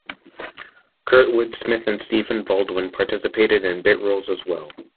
Kurtwood Smith and Stephen Baldwin participated in bit roles as well.